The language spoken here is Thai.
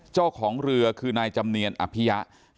เจ้าของเรือคือนายจำเนียนอภิยะ